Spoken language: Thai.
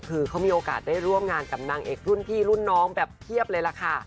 คือเขามีโอกาสได้ร่วมงานกับนางเอกรุ่นพี่รุ่นน้องแบบเพียบเลยล่ะค่ะ